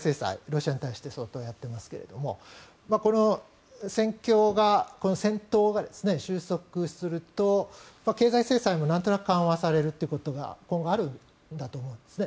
ロシアに対して相当やっていますけどもこの戦闘が収束すると経済制裁もなんとなく緩和されるということが今後あるんだと思うんです。